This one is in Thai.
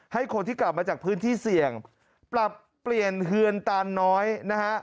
ให้คนที่กลับมาจากพื้นที่เสี่ยงปรับเปลี่ยนเฮือนตานน้อยนะฮะ